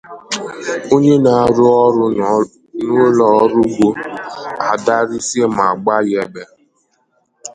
onye na-arụ ọrụ n'ụlọọrụ ugbo Adarice ma gbaa ya egbe